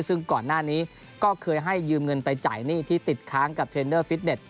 ซึ่งก่อนหน้านี้ก็เคยให้ยืมเงินไปจ่ายหนี้ที่ติดค้างกับเทรนเนอร์ฟิตเน็ต